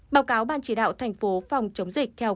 báo cáo ban chỉ đạo tp hcm